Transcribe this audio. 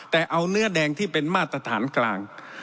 แต่เอาเนื้อแดงที่เป็นมาตรฐานกลาง